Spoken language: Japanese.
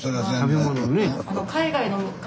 食べ物のね。